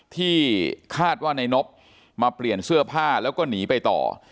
ที่คาดว่าในนบมาเปลี่ยนเสื้อผ้าแล้วก็หนีไปต่อ